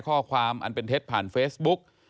ข้อความอันเป็นเท็จผ่านเฟซบุ๊ก